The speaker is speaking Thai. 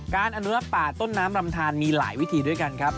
อนุรักษ์ป่าต้นน้ำรำทานมีหลายวิธีด้วยกันครับ